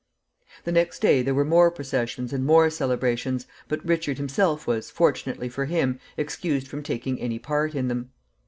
The next day there were more processions and more celebrations, but Richard himself was, fortunately for him, excused from taking any part in them.